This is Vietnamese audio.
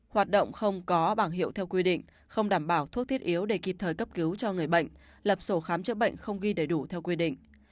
hoạt động không có bảng hiệu theo quy định không đảm bảo thuốc thiết yếu để kịp thời cấp cứu cho người bệnh lập sổ khám chữa bệnh không ghi đầy đủ theo quy định